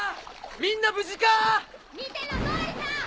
みんな無事か⁉見ての通りさ！